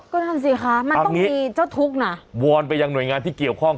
ก็นั่นสิคะมันต้องมีเจ้าทุกข์น่ะวอนไปยังหน่วยงานที่เกี่ยวข้อง